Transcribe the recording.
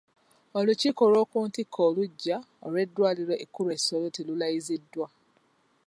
Olukiiko olw'oku ntikko oluggya olw'eddwaliro ekkulu e Soroti lulayiziddwa.